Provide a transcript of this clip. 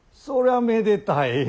そらめでたい。